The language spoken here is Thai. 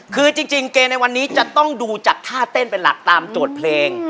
คือจริงเกมในวันนี้จะต้องดูจากท่าเต้นเป็นหลักตามโจทย์เพลง